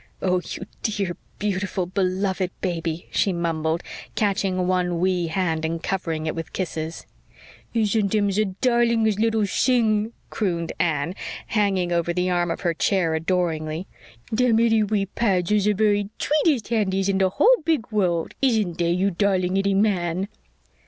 "Oh, you dear, beautiful, beloved baby," she mumbled, catching one wee hand and covering it with kisses. "Isn't him ze darlingest itty sing," crooned Anne, hanging over the arm of her chair adoringly. "Dem itty wee pads are ze very tweetest handies in ze whole big world, isn't dey, you darling itty man."